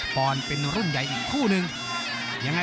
ปอนด์เป็นรุ่นใหญ่อีกคู่นึง